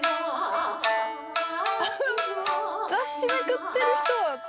雑誌めくってる人は。